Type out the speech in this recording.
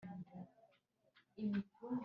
marembo y iteka mwe nimweguke Kugira ngo